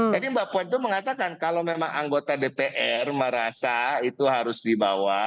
jadi mbak puan itu mengatakan kalau memang anggota dpr merasa itu harus dibawa